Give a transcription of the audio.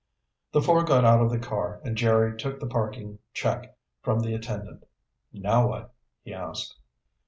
The four got out of the car and Jerry took the parking check from the attendant. "Now what?" he asked.